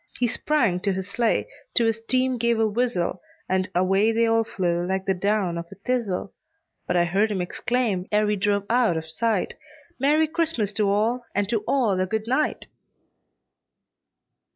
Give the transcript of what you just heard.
He sprang to his sleigh, to his team gave a whistle, And away they all flew like the down of a thistle; But I heard him exclaim, ere he drove out of sight, "Merry Christmas to all, and to all a good night!"